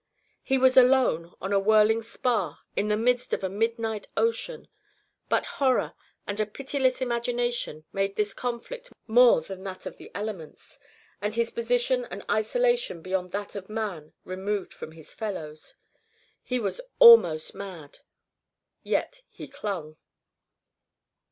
He was alone on a whirling spar in the midst of a midnight ocean, but horror and a pitiless imagination made this conflict more than that of the elements, and his position an isolation beyond that of man removed from his fellows. He was almost mad. Yet he clung.